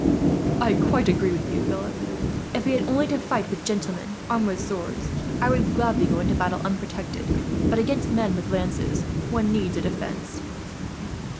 "I quite agree with you, Philip. If we had only to fight with gentlemen armed with swords, I would gladly go into battle unprotected; but against men with lances, one needs a defence.